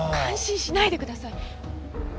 感心しないでください！